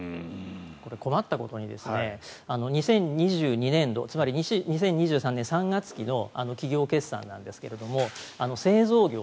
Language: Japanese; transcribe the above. これ困ったことに２０２２年度つまり２０２３年３月期の企業決算なんですが製造業。